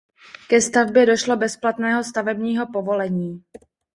Ke stavbě došlo bez platného stavebního povolení.